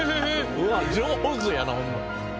うわっ上手やなホンマ。